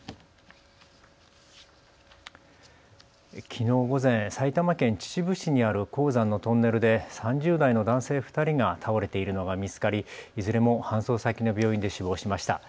きのう午前、埼玉県秩父市にある鉱山のトンネルで３０代の男性２人が倒れているのが見つかりいずれも搬送先の病院で死亡しました。